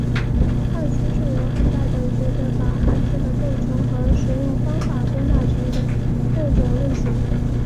六书是由汉代的学者把汉字的构成和使用方式归纳成的六种类型。